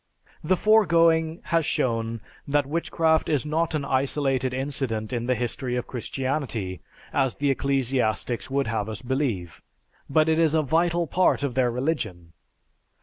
The foregoing has shown that witchcraft is not an isolated incident in the history of Christianity, as the ecclesiastics would have us believe, but is a vital part of their religion.